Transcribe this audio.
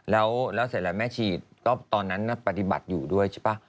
แล้วเสร็จแล้วแม่ชีก็ตอนนั้นปฏิบัติอยู่ด้วยใช่ป่ะ